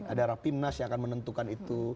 ada rapimnas yang akan menentukan itu